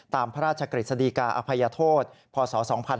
ตามพระราชกฤษฎีกาอภัยโทษพศ๒๕๕๙